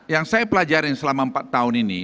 yang saya pelajari selama empat tahun ini